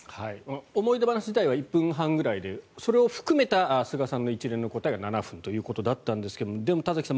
思い出話自体は１分半くらいでそれを含めた菅さんの一連の答えが７分ということだったんですがでも田崎さん